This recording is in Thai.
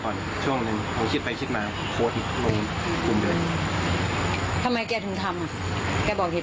ก็ที่ยายแกพูดเหรอ